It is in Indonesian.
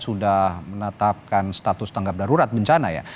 sudah menetapkan status tanggap darurat bencana ya